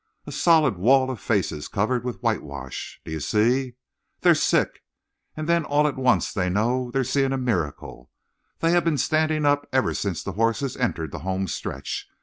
A solid wall of faces covered with white wash! D'you see? They're sick! And then all at once they know they're seeing a miracle. They have been standing up ever since the horses entered the home stretch.